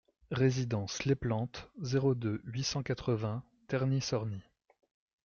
Résidence Les Plantes, zéro deux, huit cent quatre-vingts Terny-Sorny